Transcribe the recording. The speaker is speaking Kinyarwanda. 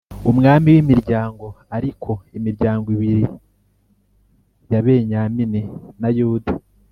Umwami w imiryango ariko imiryango ibiri ya benyamini na yuda